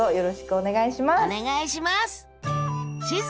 お願いします！